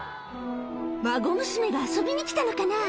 孫娘が遊びに来たのかな？